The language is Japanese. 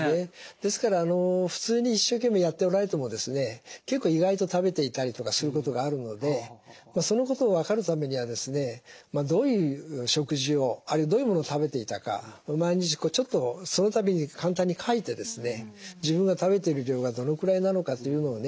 ですから普通に一生懸命やっておられてもですね結構意外と食べていたりとかすることがあるのでそのことを分かるためにはですねどういう食事をあるいはどういうものを食べていたか毎日ちょっとその度に簡単に書いて自分が食べてる量がどのくらいなのかというのをね